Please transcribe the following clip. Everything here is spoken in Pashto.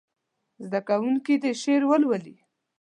زده کوونکي دې شعر ولولي.